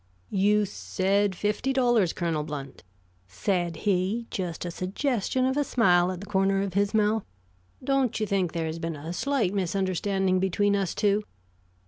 "You said fifty dollars, Colonel Blount," said he, just a suggestion of a smile at the corner of his mouth. "Don't you think there has been a slight misunderstanding between us two?